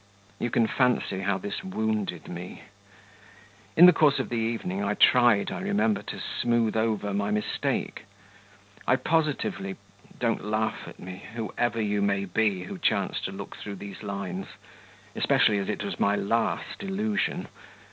You can fancy how this wounded me! In the course of the evening I tried, I remember, to smooth over my mistake. I positively (don't laugh at me, whoever you may be, who chance to look through these lines especially as it was my last illusion...)